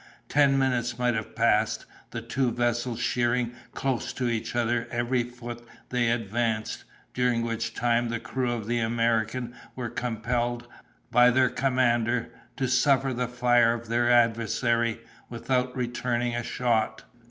Ten minutes might have passed, the two vessels sheering close to each other every foot they advanced, during which time the crew of the American were compelled, by their commander, to suffer the fire of their adversary, without returning a shot.